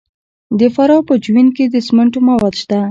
د فراه په جوین کې د سمنټو مواد شته.